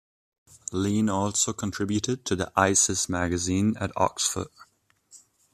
Lean also contributed to the "Isis" magazine at Oxford.